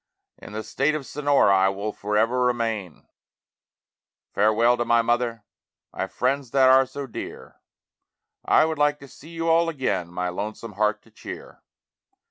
In the State of Sonora I will forever remain. Farewell to my mother, my friends that are so dear, I would like to see you all again, my lonesome heart to cheer.